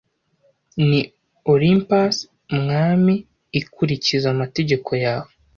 ni olympus mwami ikurikiza amategeko yawe